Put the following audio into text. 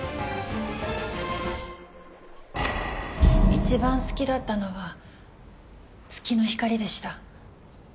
一番好きだったのは『月の光』でした。